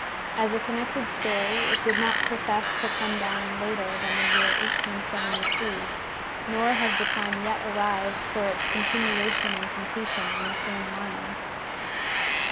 As a connected story it did not profess to come down later than the year 1873, nor has the time yet arrived for its continuation and completion on the same lines.